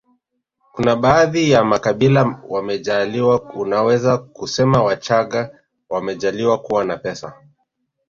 kuna baadhi ya makabila wamejaaliwa unaweza kusema wachaga wamejaaliwa kuwa na pesa